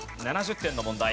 ７０点の問題。